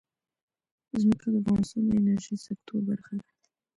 ځمکه د افغانستان د انرژۍ سکتور برخه ده.